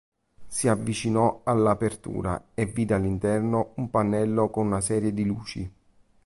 Si avvicinò allora all’apertura e vide all’interno un pannello con una serie di luci.